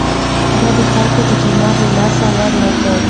ده د خلکو اعتماد له لاسه ورنه کړ.